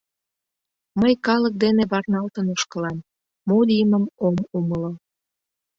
Мый калык дене варналтын ошкылам, мо лиймым ом умыло.